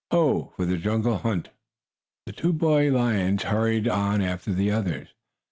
Ho for the jungle hunt!" The two boy lions hurried on after the others.